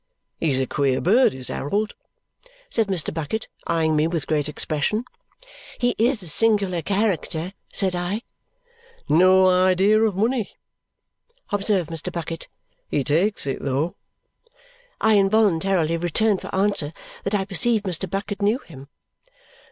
He's a queer bird is Harold," said Mr. Bucket, eyeing me with great expression. "He is a singular character," said I. "No idea of money," observed Mr. Bucket. "He takes it, though!" I involuntarily returned for answer that I perceived Mr. Bucket knew him.